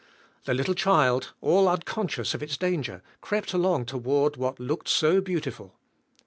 The little child, all un conscious of its dang er, crept along toward what looked so beautiful.